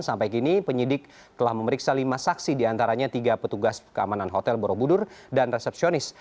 sampai kini penyidik telah memeriksa lima saksi diantaranya tiga petugas keamanan hotel borobudur dan resepsionis